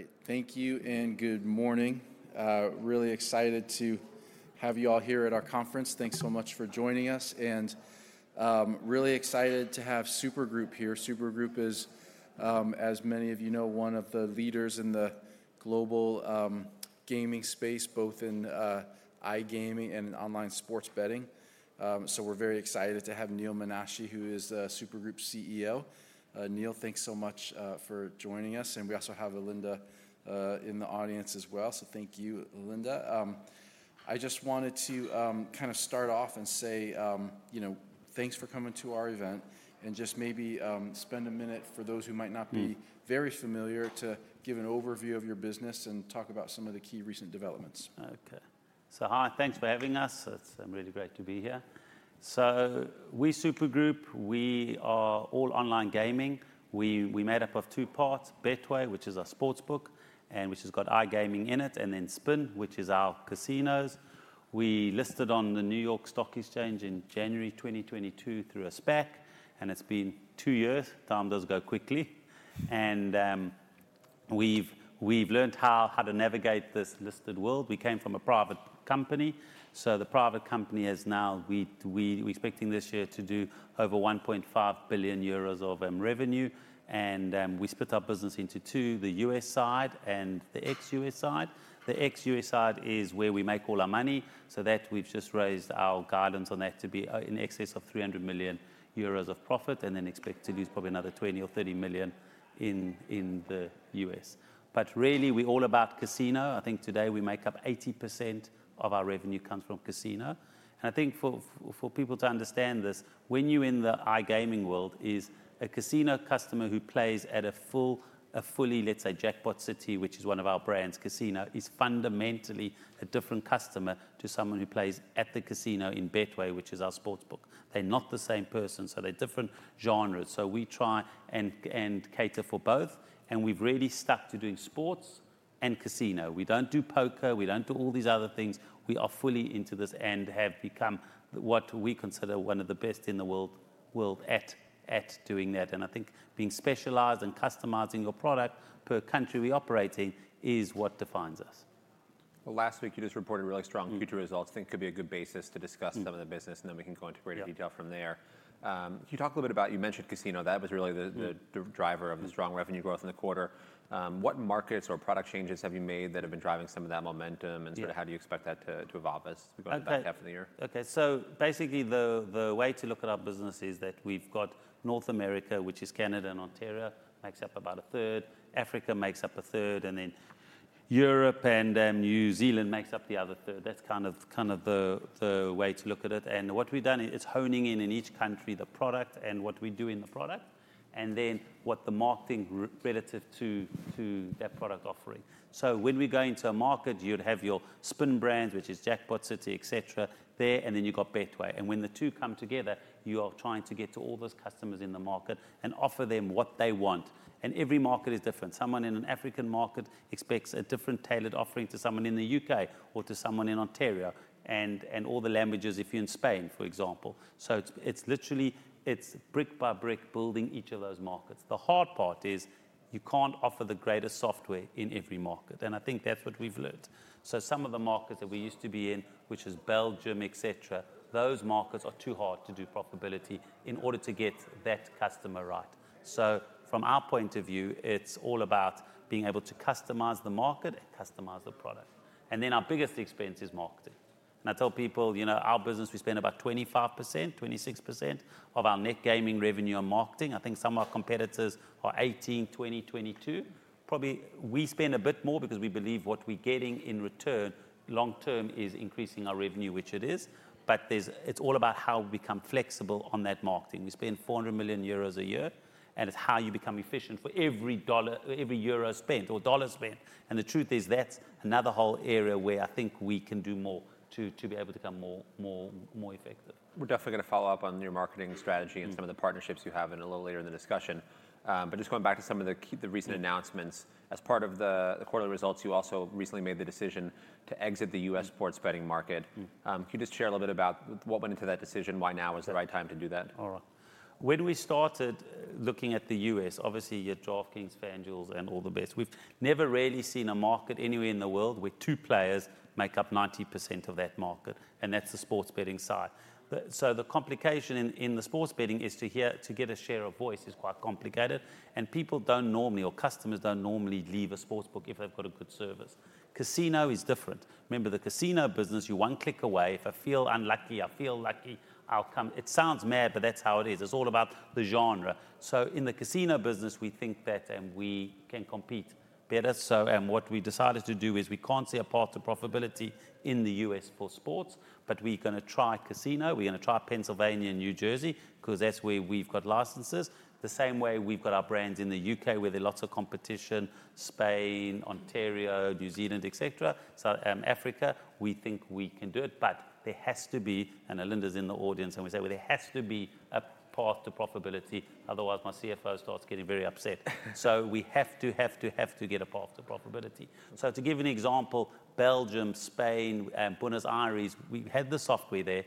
All right, thank you and good morning. Really excited to have you all here at our conference. Thanks so much for joining us, and really excited to have Super Group here. Super Group is, as many of you know, one of the leaders in the global gaming space, both in iGaming and online sports betting. So we're very excited to have Neal Menashe, who is the Super Group CEO. Neal, thanks so much for joining us, and we also have Linda in the audience as well. So thank you, Linda. I just wanted to kind of start off and say, you know, thanks for coming to our event, and just maybe spend a minute for those who might not be- Mm... very familiar, to give an overview of your business and talk about some of the key recent developments. Okay So hi, thanks for having us. It's really great to be here. So we, Super Group, we are all online gaming. We, we're made up of two parts: Betway, which is our sportsbook, and which has got iGaming in it, and then Spin, which is our casinos. We listed on the New York Stock Exchange in January 2022 through a SPAC, and it's been two years. Time does go quickly. And we've learned how to navigate this listed world. We came from a private company, so the private company is now we're expecting this year to do over 1.5 billion euros of revenue. And we split our business into two: the U.S. side and the ex-U.S. side. The ex-U.S.. side is where we make all our money, so that we've just raised our guidance on that to be in excess of 300 million euros of profit, and then expect to lose probably another $20 million or $30 million in the U.S.. But really, we're all about casino. I think today we make up 80% of our revenue comes from casino. And I think for people to understand this, when you're in the iGaming world, is a casino customer who plays at a fully, let's say, JackpotCity, which is one of our brands, casino, is fundamentally a different customer to someone who plays at the casino in Betway, which is our sportsbook. They're not the same person, so they're different genres. So we try and cater for both, and we've really stuck to doing sports and casino. We don't do poker. We don't do all these other things. We are fully into this and have become what we consider one of the best in the world at doing that. And I think being specialized and customizing your product per country we operate in is what defines us. Well, last week you just reported really strong- Mm future results. I think it could be a good basis to discuss- Mm some of the business, and then we can go into greater detail. Yeah -from there. Can you talk a little bit about... You mentioned casino. That was really the, the- Mm -driver of the strong revenue growth in the quarter. What markets or product changes have you made that have been driving some of that momentum- Yeah and sort of how do you expect that to evolve as? Okay we go into the back half of the year? Okay. So basically, the way to look at our business is that we've got North America, which is Canada and Ontario, makes up about a 1/3, Africa makes up a 1/3, and then Europe and New Zealand makes up the other 1/3. That's kind of the way to look at it. And what we've done is honing in each country, the product and what we do in the product, and then what the marketing relative to that product offering. So when we go into a market, you'd have your Spin brands, which is JackpotCity, et cetera, there, and then you've got Betway. And when the two come together, you are trying to get to all those customers in the market and offer them what they want. And every market is different. Someone in an African market expects a different tailored offering to someone in the U.K. or to someone in Ontario, and all the languages, if you're in Spain, for example. So it's literally brick by brick, building each of those markets. The hard part is, you can't offer the greatest software in every market, and I think that's what we've learned. So some of the markets that we used to be in, which is Belgium, et cetera, those markets are too hard to do profitability in order to get that customer right. So from our point of view, it's all about being able to customize the market and customize the product. And then our biggest expense is marketing. And I tell people, you know, our business, we spend about 25%, 26% of our net gaming revenue on marketing. I think some of our competitors are 18, 20, 22. Probably we spend a bit more because we believe what we're getting in return, long-term, is increasing our revenue, which it is. But there's, it's all about how we become flexible on that marketing. We spend 400 million euros a year, and it's how you become efficient for every dollar, every euro spent or dollar spent. And the truth is, that's another whole area where I think we can do more to, to be able to become more, more, more effective. We're definitely gonna follow up on your marketing strategy- Mm... and some of the partnerships you have in a little later in the discussion. But just going back to some of the key, the recent announcements. Mm. As part of the quarterly results, you also recently made the decision to exit the U.S.- Mm... sports betting market. Mm. Can you just share a little bit about what went into that decision? Why now is the right time to do that? All right. When we started looking at the U.S., obviously, you had DraftKings, FanDuel, and all the best. We've never really seen a market anywhere in the world where two players make up 90% of that market, and that's the sports betting side. So the complication in the sports betting is to get a share of voice is quite complicated, and people don't normally, or customers don't normally leave a sportsbook if they've got a good service. Casino is different. Remember, the casino business, you're one click away. If I feel unlucky, I feel lucky, I'll come... It sounds mad, but that's how it is. It's all about the genre. So in the casino business, we think that we can compete better. So, what we decided to do is we can't see a path to profitability in the U.S. for sports, but we're gonna try casino. We're gonna try Pennsylvania and New Jersey, 'cause that's where we've got licenses. The same way we've got our brands in the U.K., where there's lots of competition, Spain, Ontario, New Zealand, et cetera. Southern Africa, we think we can do it, but there has to be, and Linda's in the audience, and we say, "Well, there has to be a path to profitability," otherwise, my CFO starts getting very upset. So we have to, have to, have to get a path to profitability. So to give you an example, Belgium, Spain, and Buenos Aires, we had the software there,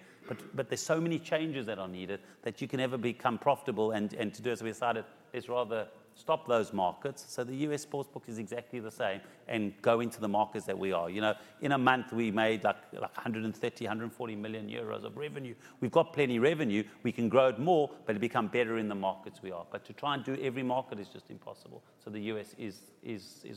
but there's so many changes that are needed that you can never become profitable. To do this, we decided, let's rather stop those markets. So the U.S. sportsbook is exactly the same, and go into the markets that we are. You know, in a month, we made, like, 130 million-140 million euros of revenue. We've got plenty revenue. We can grow it more, but become better in the markets we are. But to try and do every market is just impossible, so the U.S. is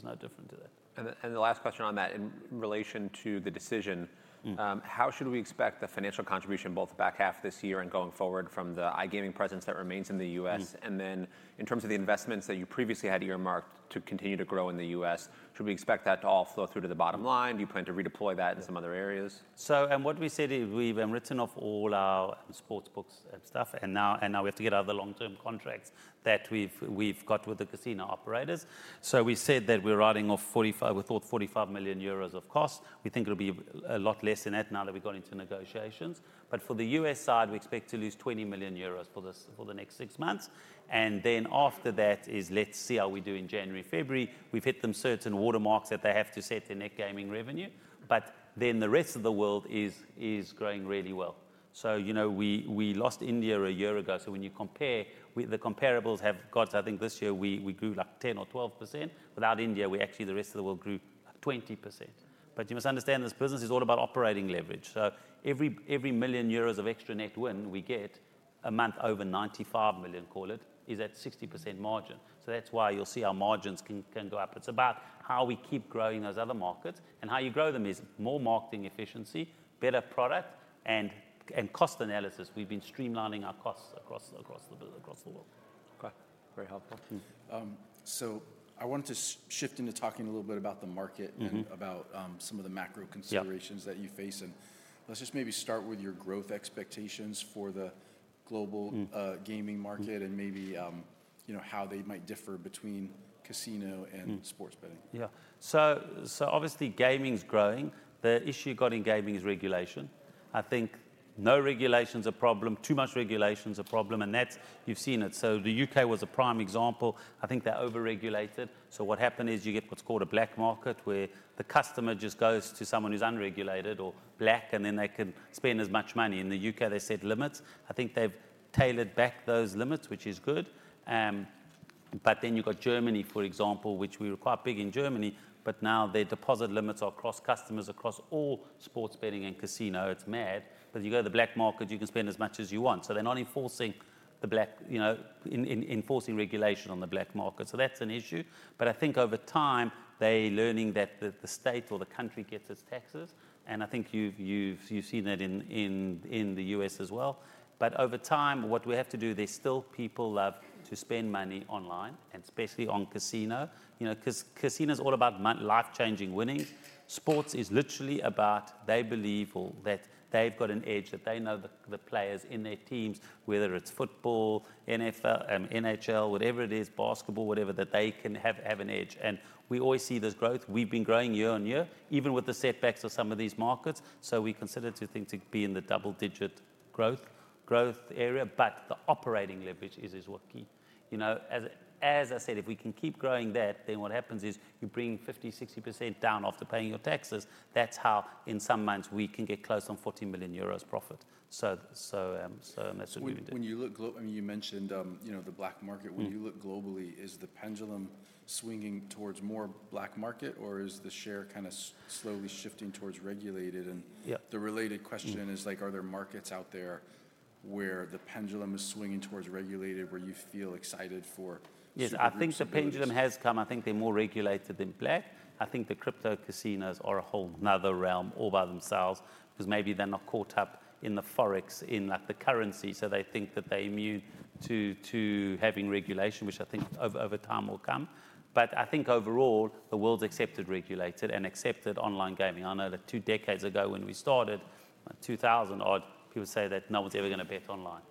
no different than- ...And the last question on that, in relation to the decision- Mm. How should we expect the financial contribution, both back half of this year and going forward from the iGaming presence that remains in the U.S.? Mm. And then in terms of the investments that you previously had earmarked to continue to grow in the U.S., should we expect that to all flow through to the bottom line? Do you plan to redeploy that in some other areas? So, and what we said is, we've written off all our sports books and stuff, and now, and now we have to get out of the long-term contracts that we've, we've got with the casino operators. So we said that we're writing off 45 million, we thought 45 million euros of cost. We think it'll be a lot less than that now that we've gone into negotiations. But for the U.S. side, we expect to lose 20 million euros for this, for the next six months, and then after that is, let's see how we do in January, February. We've hit them certain watermarks that they have to set their net gaming revenue, but then the rest of the world is, is growing really well. So, you know, we, we lost India a year ago, so when you compare, we - the comparables have got... I think this year we grew, like, 10% or 12%. Without India, we actually, the rest of the world grew 20%. But you must understand, this business is all about operating leverage. So every 1 million euros of extra net win we get, a month over 95 million, call it, is at 60% margin. So that's why you'll see our margins can go up. It's about how we keep growing those other markets, and how you grow them is more marketing efficiency, better product, and cost analysis. We've been streamlining our costs across the world. Okay, very helpful. Mm. So, I wanted to shift into talking a little bit about the market- Mm-hmm ...and about, some of the macro considerations- Yeah -that you face, and let's just maybe start with your growth expectations for the global gaming market. Mm -and maybe, you know, how they might differ between casino and- Mm -sports betting. Yeah. So, so obviously gaming's growing. The issue you got in gaming is regulation. I think no regulation's a problem, too much regulation's a problem, and that's... You've seen it. So the U.K. was a prime example. I think they're over-regulated, so what happened is, you get what's called a black market, where the customer just goes to someone who's unregulated or black, and then they can spend as much money. In the U.K., they set limits. I think they've dialed back those limits, which is good. But then you've got Germany, for example, which we were quite big in Germany, but now their deposit limits are across customers, across all sports betting and casino. It's mad. But you go to the black market, you can spend as much as you want. So they're not enforcing the black, you know, enforcing regulation on the black market. So that's an issue, but I think over time, they're learning that the state or the country gets its taxes, and I think you've seen that in the U.S. as well. But over time, what we have to do, there's still people love to spend money online, and especially on casino. You know, 'cause casino's all about life-changing winnings. Sports is literally about, they believe that they've got an edge, that they know the players in their teams, whether it's football, NFL, NHL, whatever it is, basketball, whatever, that they can have an edge. And we always see there's growth. We've been growing year on year, even with the setbacks of some of these markets, so we consider to think to be in the double-digit growth area. But the operating leverage is what key. You know, as I said, if we can keep growing that, then what happens is you bring 50%-60% down after paying your taxes. That's how, in some months, we can get close on 40 million euros profit. So, that's what we've been doing. When you look—I mean, you mentioned, you know, the black market. Mm. When you look globally, is the pendulum swinging towards more black market, or is the share kind of slowly shifting towards regulated? And- Yeah... the related question- Mm like, are there markets out there where the pendulum is swinging towards regulated, where you feel excited for- Yes certain groups of those? I think the pendulum has come. I think they're more regulated than black. I think the crypto casinos are a whole another realm all by themselves, 'cause maybe they're not caught up in the Forex, in, like, the currency, so they think that they're immune to having regulation, which I think over time, will come. But I think overall, the world's accepted regulated and accepted online gaming. I know that two decades ago when we started, 2,000 odd, people say that no one's ever gonna bet online.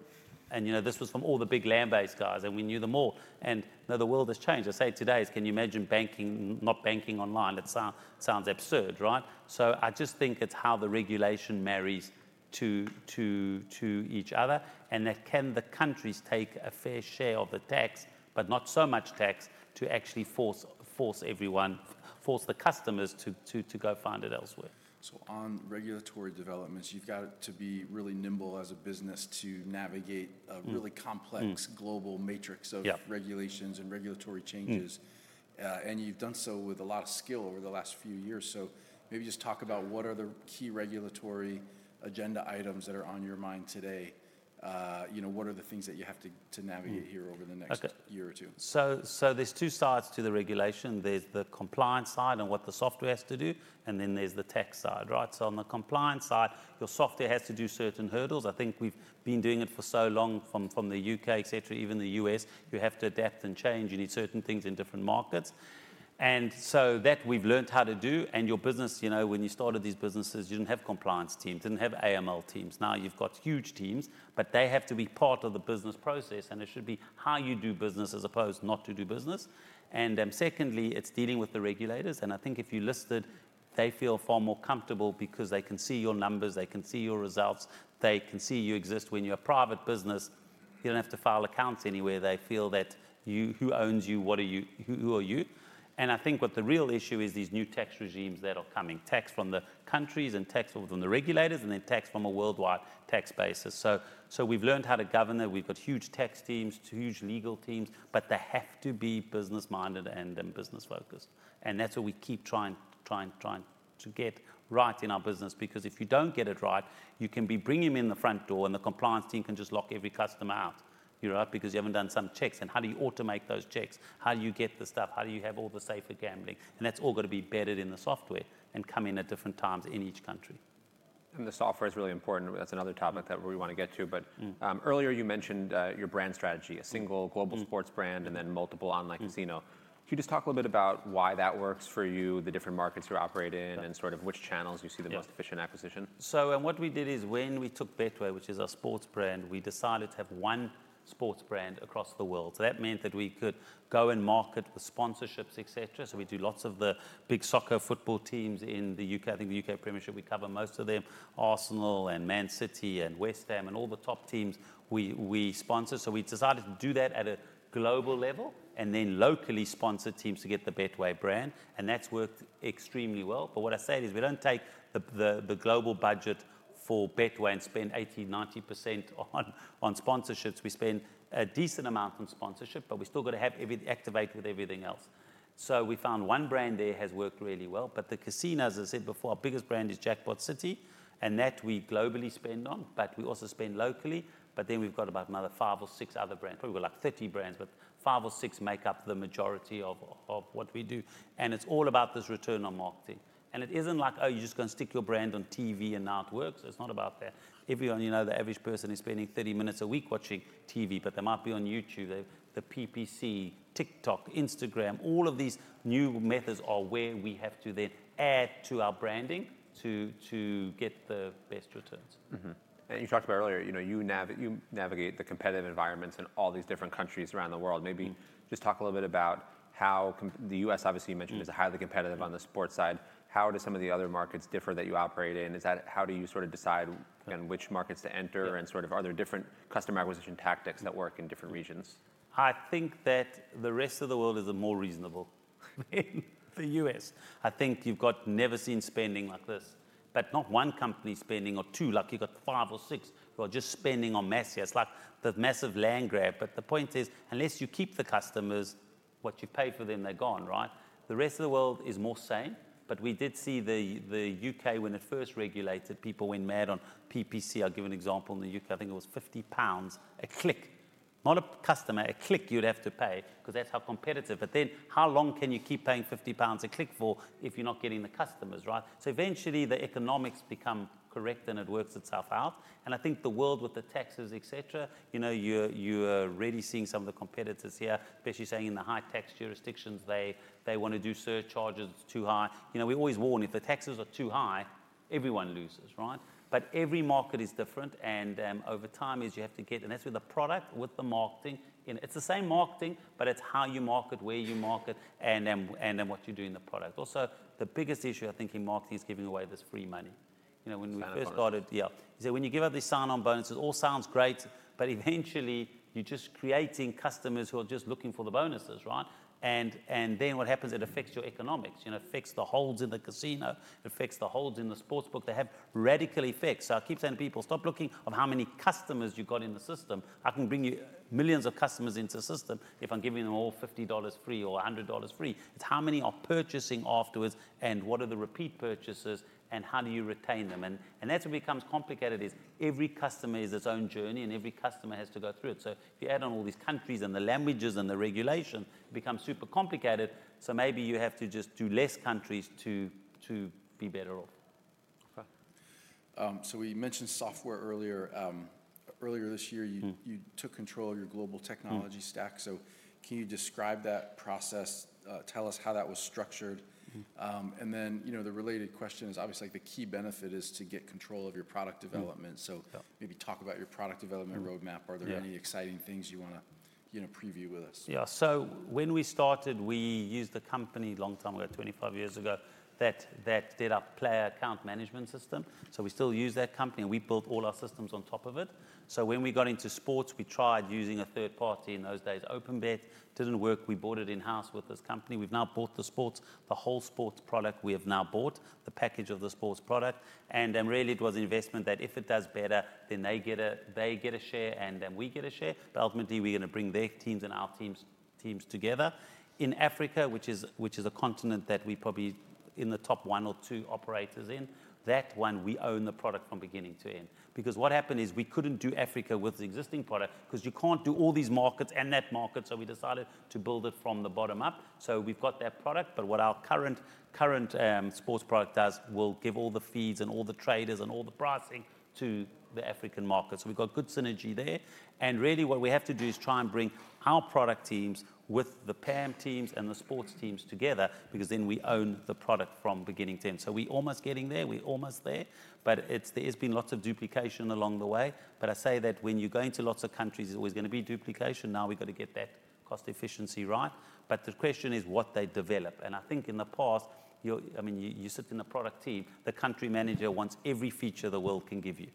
You know, this was from all the big land-based guys, and we knew them all. Now the world has changed. I say it today, "Can you imagine banking, not banking online?" That sounds absurd, right? So I just think it's how the regulation marries to each other, and that can the countries take a fair share of the tax, but not so much tax to actually force everyone, the customers to go find it elsewhere? On regulatory developments, you've got to be really nimble as a business to navigate a really- Mm... complex- Mm global matrix of Yeah regulations and regulatory changes. Mm. And you've done so with a lot of skill over the last few years. So maybe just talk about what are the key regulatory agenda items that are on your mind today? You know, what are the things that you have to navigate- Mm... here over the next year or two? Okay. So there's two sides to the regulation. There's the compliance side and what the software has to do, and then there's the tax side, right? So on the compliance side, your software has to do certain hurdles. I think we've been doing it for so long, from the U.K., et cetera, even the U.S., you have to adapt and change. You need certain things in different markets. And so that we've learned how to do, and your business, you know, when you started these businesses, you didn't have compliance teams, didn't have AML teams. Now you've got huge teams, but they have to be part of the business process, and it should be how you do business as opposed not to do business. Secondly, it's dealing with the regulators, and I think if you're listed, they feel far more comfortable because they can see your numbers, they can see your results, they can see you exist. When you're a private business, you don't have to file accounts anywhere. They feel that you—who owns you? What are you? Who are you? And I think what the real issue is, these new tax regimes that are coming, tax from the countries and tax from the regulators, and then tax from a worldwide tax basis. So, we've learnt how to govern that. We've got huge tax teams, huge legal teams, but they have to be business-minded and business-focused, and that's what we keep trying-... Trying to get right in our business, because if you don't get it right, you can be bringing them in the front door, and the compliance team can just lock every customer out, you know? Because you haven't done some checks. How do you automate those checks? How do you get the stuff? How do you have all the safer gambling? And that's all got to be embedded in the software and come in at different times in each country. The software is really important. That's another topic that we want to get to. Mm. Earlier you mentioned your brand strategy, a single global- Mm... sports brand and then multiple- Mm online casino. Can you just talk a little bit about why that works for you, the different markets you operate in? Yeah... and sort of which channels you see- Yeah... the most efficient acquisition? So, what we did is when we took Betway, which is our sports brand, we decided to have one sports brand across the world. So that meant that we could go and market with sponsorships, et cetera. So we do lots of the big soccer football teams in the U.K.. I think the U.K. Premiership, we cover most of them, Arsenal and Man City and West Ham and all the top teams, we sponsor. So we decided to do that at a global level and then locally sponsor teams to get the Betway brand, and that's worked extremely well. But what I say is, we don't take the global budget for Betway and spend 80%-90% on sponsorships. We spend a decent amount on sponsorship, but we've still got to have everything activate with everything else. So we found one brand there has worked really well, but the casino, as I said before, our biggest brand is JackpotCity, and that we globally spend on, but we also spend locally. But then we've got about another five or six other brands. Probably got like 30 brands, but five or six make up the majority of what we do, and it's all about this return on marketing. And it isn't like, oh, you're just going to stick your brand on TV and now it works. It's not about that. Everyone, you know, the average person is spending 30 minutes a week watching TV, but they might be on YouTube, the PPC, TikTok, Instagram. All of these new methods are where we have to then add to our branding to get the best returns. Mm-hmm. And you talked about earlier, you know, you navigate the competitive environments in all these different countries around the world. Mm. Maybe just talk a little bit about how the U.S., obviously, you mentioned- Mm... is highly competitive on the sports side. How do some of the other markets differ that you operate in? Is that-- How do you sort of decide- Yeah... on which markets to enter- Yeah... and sort of, are there different customer acquisition tactics? Mm... that work in different regions? I think that the rest of the world is more reasonable than the U.S. I think you've never seen spending like this, but not one company spending or two, like you've got five or six who are just spending on massive. It's like the massive land grab. But the point is, unless you keep the customers, once you've paid for them, they're gone, right? The rest of the world is more the same. But we did see the U.K. when it first regulated, people went mad on PPC. I'll give you an example. In the U.K., I think it was 50 pounds a click, not a customer, a click you'd have to pay, because that's how competitive. But then, how long can you keep paying 50 pounds a click for if you're not getting the customers, right? So eventually, the economics become correct, and it works itself out. I think the world, with the taxes, et cetera, you know, you're, you're really seeing some of the competitors here, especially saying in the high tax jurisdictions, they, they want to do surcharges. It's too high. You know, we always warn, if the taxes are too high, everyone loses, right? But every market is different, and, over time is you have to get... That's with the product, with the marketing. You know, it's the same marketing, but it's how you market, where you market, and then, and then what you do in the product. Also, the biggest issue, I think, in marketing is giving away this free money. You know, when we first started- Sign-up bonus. Yeah. So when you give out these sign-on bonuses, it all sounds great, but eventually, you're just creating customers who are just looking for the bonuses, right? And, and then what happens, it affects your economics. You know, it affects the holds in the casino. It affects the holds in the sportsbook. They have radical effects. So I keep telling people, "Stop looking at how many customers you've got in the system." I can bring you millions of customers into the system if I'm giving them all $50 free or $100 free. It's how many are purchasing afterwards, and what are the repeat purchases, and how do you retain them? And, and that's what becomes complicated, is every customer has its own journey, and every customer has to go through it. So if you add on all these countries and the languages and the regulation, it becomes super complicated. So maybe you have to just do less countries to be better off. Okay. So we mentioned software earlier. Earlier this year- Mm... you took control of your global technology stack. Mm. So can you describe that process? Tell us how that was structured? Mm-hmm. You know, the related question is, obviously, the key benefit is to get control of your product development. Mm. Yeah. Maybe talk about your product development roadmap. Yeah. Are there any exciting things you wanna, you know, preview with us? Yeah. So when we started, we used a company long time ago, 25 years ago, that did our player account management system. So we still use that company, and we built all our systems on top of it. So when we got into sports, we tried using a third party. In those days, OpenBet. Didn't work. We bought it in-house with this company. We've now bought the sports, the whole sports product we have now bought, the package of the sports product. And then really it was an investment that if it does better, then they get a, they get a share, and then we get a share. But ultimately, we're gonna bring their teams and our teams together. In Africa, which is a continent that we probably in the top one or two operators in, that one, we own the product from beginning to end. Because what happened is, we couldn't do Africa with the existing product, because you can't do all these markets and that market, so we decided to build it from the bottom up. So we've got that product, but what our current, current, sports product does, will give all the feeds and all the traders and all the pricing to the African market. So we've got good synergy there, and really what we have to do is try and bring our product teams with the PAM teams and the sports teams together, because then we own the product from beginning to end. So we almost getting there, we're almost there, but it's, there's been lots of duplication along the way. But I say that when you go into lots of countries, there's always gonna be duplication. Now we've got to get that cost efficiency right. But the question is what they develop, and I think in the past, I mean, you sit in a product team, the country manager wants every feature the world can give you,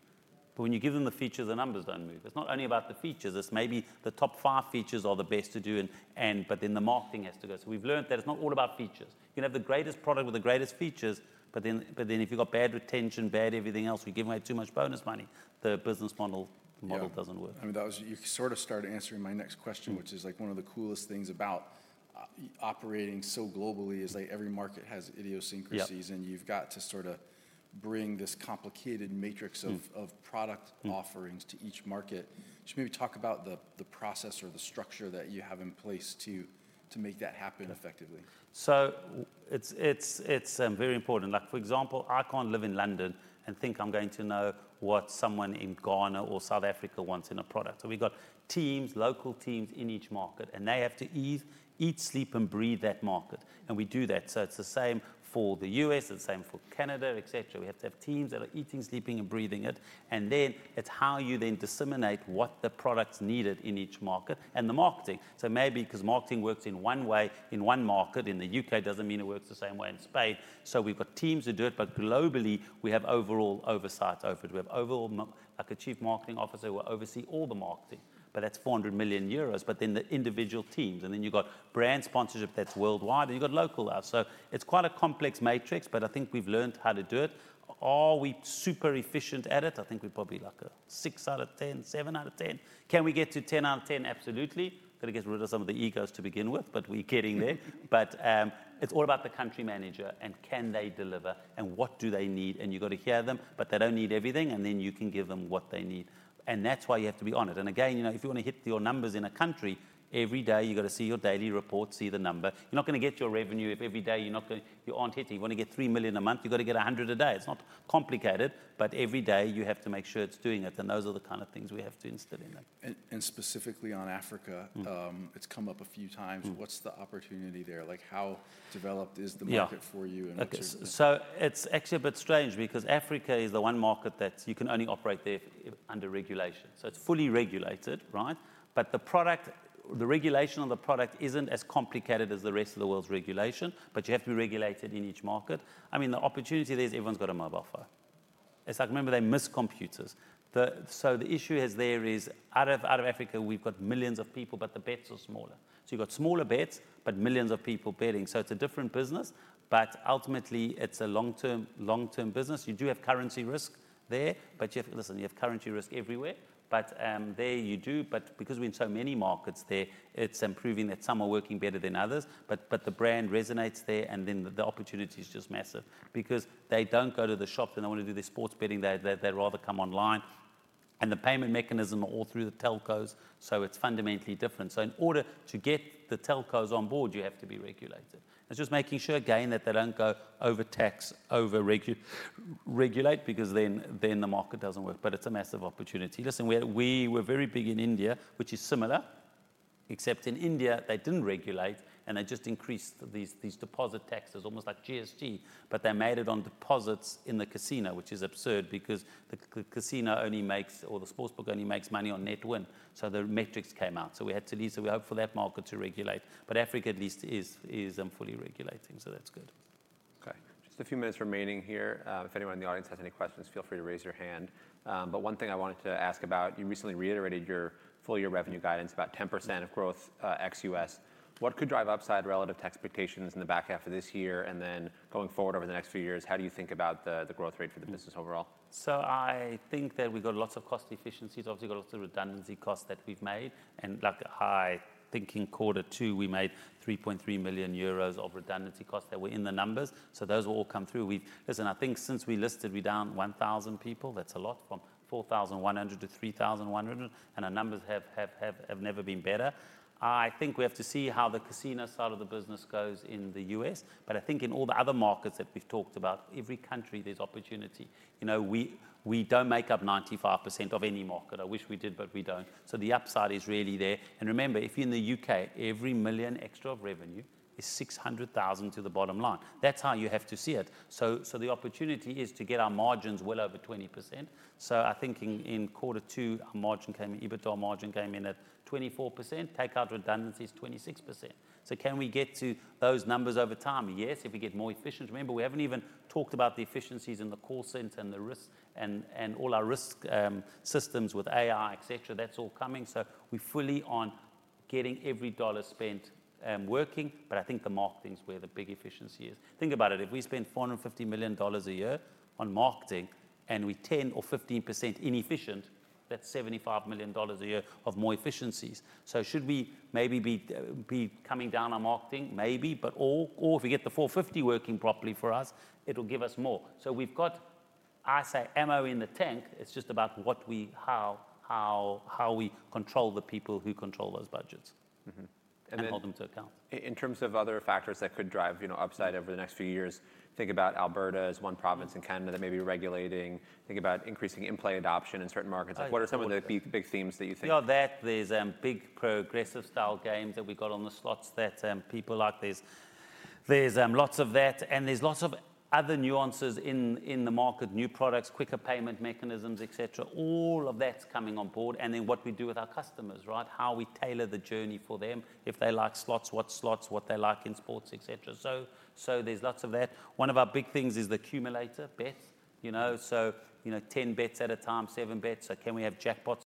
but when you give them the features, the numbers don't move. It's not only about the features, it's maybe the top five features are the best to do and but then the marketing has to go. So we've learnt that it's not all about features. You can have the greatest product with the greatest features, but then if you've got bad retention, bad everything else, we give away too much bonus money, the business model- Yeah... model doesn't work. I mean, that was, you sort of started answering my next question- Mm... which is, like, one of the coolest things about operating so globally is like every market has idiosyncrasies- Yep. and you've got to sort of bring this complicated matrix of- Mm. of product offerings Mm. to each market. Just maybe talk about the process or the structure that you have in place to make that happen effectively. So it's very important. Like, for example, I can't live in London and think I'm going to know what someone in Ghana or South Africa wants in a product. So we've got teams, local teams, in each market, and they have to eat, sleep, and breathe that market, and we do that. So it's the same for the U.S.., it's the same for Canada, et cetera. We have to have teams that are eating, sleeping, and breathing it. And then, it's how you then disseminate what the product's needed in each market and the marketing. So maybe 'cause marketing works in one way in one market, in the U.K., doesn't mean it works the same way in Spain. So we've got teams that do it, but globally, we have overall oversight over it. We have overall like a chief marketing officer will oversee all the marketing, but that's 400 million euros. But then the individual teams, and then you've got brand sponsorship that's worldwide, and you've got local ads. So it's quite a complex matrix, but I think we've learned how to do it. Are we super efficient at it? I think we're probably like a six out of 10, seven out of 10. Can we get to 10 out of 10? Absolutely. Got to get rid of some of the egos to begin with, but we're getting there. But, it's all about the country manager, and can they deliver, and what do they need? And you've got to hear them, but they don't need everything, and then you can give them what they need. And that's why you have to be on it. And again, you know, if you want to hit your numbers in a country, every day, you've got to see your daily report, see the number. You're not gonna get your revenue if every day you're not you aren't hitting. You want to get $3 million a month, you've got to get 100 a day. It's not complicated, but every day you have to make sure it's doing it, and those are the kind of things we have to instill in them. Specifically on Africa- Mm. It's come up a few times. Mm. What's the opportunity there? Like, how developed is the market- Yeah. - for you in terms of- Okay, so it's actually a bit strange because Africa is the one market that you can only operate there under regulation. So it's fully regulated, right? But the product, the regulation on the product isn't as complicated as the rest of the world's regulation, but you have to be regulated in each market. I mean, the opportunity there is everyone's got a mobile phone. It's like, remember, they missed computers. So the issue is there is out of Africa, we've got millions of people, but the bets are smaller. So you've got smaller bets, but millions of people betting, so it's a different business, but ultimately, it's a long-term, long-term business. You do have currency risk there, but you have... Listen, you have currency risk everywhere. But there you do, but because we're in so many markets there, it's improving that some are working better than others, but the brand resonates there, and then the opportunity is just massive. Because they don't go to the shop, they don't want to do their sports betting, they'd rather come online. And the payment mechanism are all through the telcos, so it's fundamentally different. So in order to get the telcos on board, you have to be regulated. It's just making sure, again, that they don't go overtax, overregulate, because then the market doesn't work. But it's a massive opportunity. Listen, we were very big in India, which is similar, except in India, they didn't regulate, and they just increased these deposit taxes, almost like GST, but they made it on deposits in the casino, which is absurd because the casino only makes, or the sportsbook only makes money on net win. So the metrics came out, so we had to leave, so we hope for that market to regulate. But Africa at least is fully regulating, so that's good. Okay, just a few minutes remaining here. If anyone in the audience has any questions, feel free to raise your hand. But one thing I wanted to ask about, you recently reiterated your full-year revenue guidance, about 10% of growth, ex-U.S.. What could drive upside relative to expectations in the back half of this year? And then going forward over the next few years, how do you think about the growth rate for the business overall? So I think that we've got lots of cost efficiencies. Obviously, we've got lots of redundancy costs that we've made, and like high, thinking quarter two, we made 3.3 million euros of redundancy costs that were in the numbers. So those will all come through. We've—Listen, I think since we listed, we're down 1,000 people. That's a lot, from 4,100 to 3,100, and our numbers have never been better. I think we have to see how the casino side of the business goes in the U.S., but I think in all the other markets that we've talked about, every country, there's opportunity. You know, we don't make up 95% of any market. I wish we did, but we don't. So the upside is really there. And remember, if you're in the U.K., every 1 million extra of revenue is 600,000 to the bottom line. That's how you have to see it. So, so the opportunity is to get our margins well over 20%. So I think in quarter two, our margin came, EBITDA margin came in at 24%. Take out redundancies, 26%. So can we get to those numbers over time? Yes, if we get more efficient. Remember, we haven't even talked about the efficiencies in the call center and the risk, and all our risk systems with AI, et cetera. That's all coming. So we're fully on getting every dollar spent working, but I think the marketing is where the big efficiency is. Think about it: If we spend $450 million a year on marketing, and we're 10% or 15% inefficient, that's $75 million a year of more efficiencies. So should we maybe be, be coming down on marketing? Maybe, but all, or if we get the 450 working properly for us, it'll give us more. So we've got, I say, ammo in the tank. It's just about what we... How we control the people who control those budgets- Mm-hmm, and then- And hold them to account. In terms of other factors that could drive, you know, upside over the next few years, think about Alberta as one province in Canada that may be regulating. Think about increasing in-play adoption in certain markets. Oh, of course. What are some of the big, big themes that you think? Yeah, that there's big progressive-style games that we got on the slots that people like. There's lots of that, and there's lots of other nuances in the market, new products, quicker payment mechanisms, et cetera. All of that's coming on board, and then what we do with our customers, right? How we tailor the journey for them. If they like slots, what slots, what they like in sports, et cetera. So there's lots of that. One of our big things is the accumulator bet, you know? So, you know, 10 bets at a time, seven bets. So can we have jackpots?